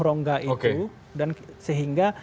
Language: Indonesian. rongga itu dan sehingga